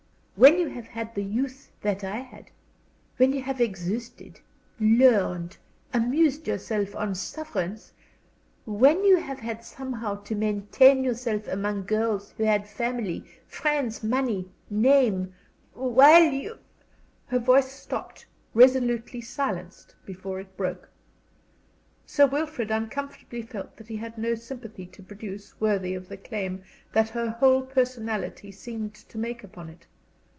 When you have had the youth that I had, when you have existed, learned, amused yourself on sufferance, when you have had somehow to maintain yourself among girls who had family, friends, money, name, while you " Her voice stopped, resolutely silenced before it broke. Sir Wilfrid uncomfortably felt that he had no sympathy to produce worthy of the claim that her whole personality seemed to make upon it.